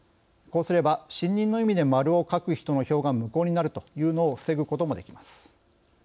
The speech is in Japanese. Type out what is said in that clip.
こうすれば、信任の意味で「〇」を書く人の票が無効になるというのを防ぐこともできます。